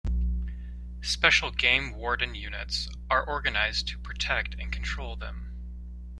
Special game warden units are organized to protect and control them.